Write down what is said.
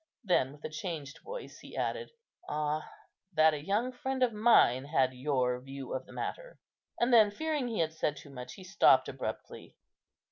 Then with a changed voice, he added, "Ah, that a young friend of mine had your view of the matter!" and then, fearing he had said too much, he stopped abruptly.